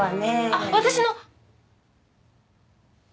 あっ私の。